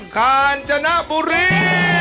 กาญจนบุรี